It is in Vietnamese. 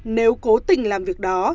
nếu cố tình làm việc đó